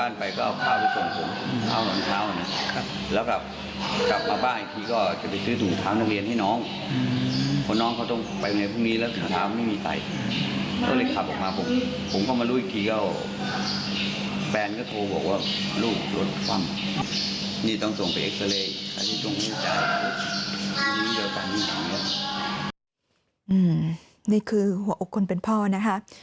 นี่คือหัวอกคนเป็นพ่อนะคะ